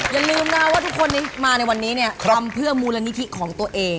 อย่าลืมนะว่าทุกคนนี้มาในวันนี้เนี่ยทำเพื่อมูลนิธิของตัวเอง